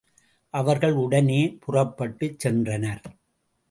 அவர்கள் உடனே புறப்பட்டுச் சென்றனர்.